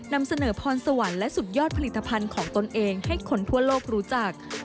นำเสนอพรสวรรค์และสุดยอดผลิตภัณฑ์ของตนเองให้คนทั่วโลกรู้จัก